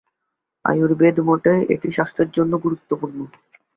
আয়ুর্বেদ মতে, এটি স্বাস্থ্যের জন্যও গুরুত্বপূর্ণ।